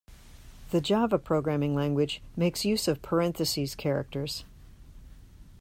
The Java programming language makes use of parentheses characters.